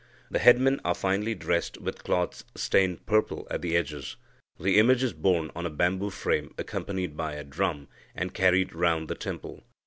The headmen are finely dressed with cloths stained purple at the edge. The image is borne on a bamboo frame, accompanied by a drum," and carried round the temple.